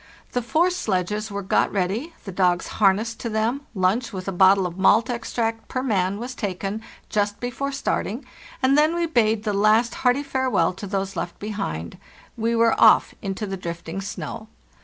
The four sledges were got ready, the dogs harnessed to them, lunch, with a bottle of malt extract per man, was taken just before start ing, and then we bade the last hearty farewell to those left behind. We were off into the drifting snow.